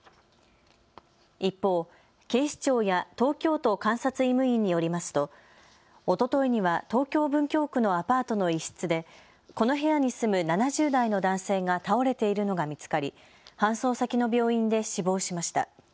一方、警視庁や東京都監察医務院によりますとおとといには東京・文京区のアパートの一室でこの部屋に住む７０代の男性が倒れているのが見つかり搬送先の病院で死亡しました。